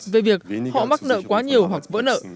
về việc họ mắc nợ quá nhiều hoặc vỡ nợ